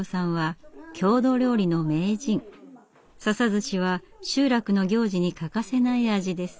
笹ずしは集落の行事に欠かせない味です。